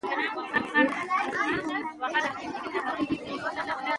ځنګلونه د افغانستان د پوهنې نصاب کې شامل دي.